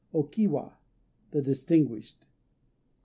O Kiwa "The Distinguished."